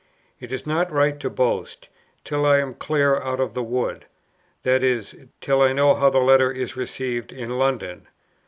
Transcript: It is not right to boast, till I am clear out of the wood, i.e. till I know how the Letter is received in London.